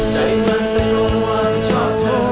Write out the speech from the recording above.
ใจมันตะโกนว่ามันชอบเธอ